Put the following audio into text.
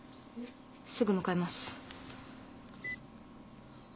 すぐ向かいます。